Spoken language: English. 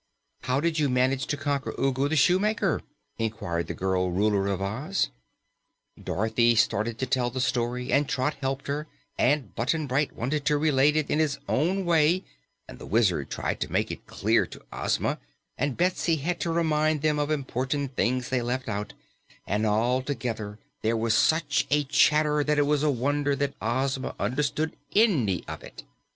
"How did you manage to conquer Ugu the Shoemaker?" inquired the girl Ruler of Oz. Dorothy started to tell the story, and Trot helped her, and Button Bright wanted to relate it in his own way, and the Wizard tried to make it clear to Ozma, and Betsy had to remind them of important things they left out, and all together there was such a chatter that it was a wonder that Ozma understood any of it.